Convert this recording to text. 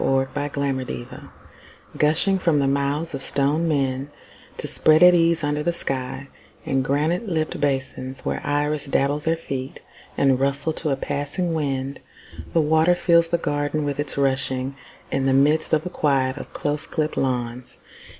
In a Garden Gushing from the mouths of stone men To spread at ease under the sky In granite lipped basins, Where iris dabble their feet And rustle to a passing wind, The water fills the garden with its rushing, In the midst of the quiet of close clipped lawns.